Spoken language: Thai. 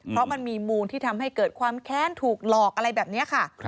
เพราะมันมีมูลที่ทำให้เกิดความแค้นถูกหลอกอะไรแบบนี้ค่ะ